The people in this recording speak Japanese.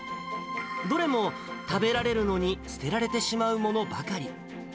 どれも、食べられるのに捨てられてしまうものばかり。